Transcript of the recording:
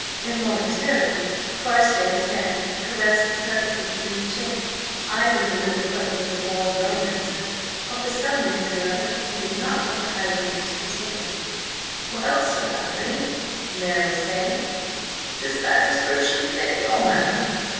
Involuntarily Carstares' hand caressed his perfectly smooth chin. Either the little clerk was a born romancer, or for some reason or other he did not want the highwayman to be taken. "Well, Sir Anthony?" the mayor was saying. "Does that description fit your man?"